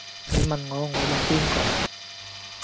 你問我我問邊個